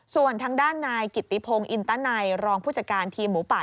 ส่วนทางด้านนายกิติพงศ์อินตนัยรองผู้จัดการทีมหมูป่า